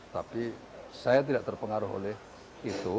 tapi saya tidak terpengaruh oleh itu